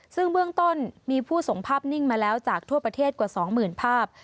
ซึ่งเบื้องต้นมีผู้ส่งภาพนิ่งมาแล้วจากทั่วประเทศกว่า๒๐๐๐ภาพ